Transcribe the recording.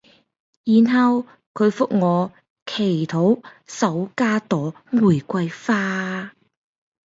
然後佢覆我祈禱手加朵玫瑰花